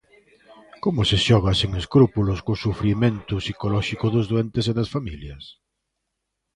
Como se xoga sen escrúpulos co sufrimento psicolóxico dos doentes e das familias?